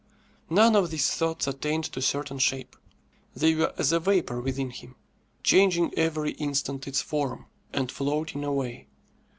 None of these thoughts attained to certain shape. They were as a vapour within him, changing every instant its form, and floating away.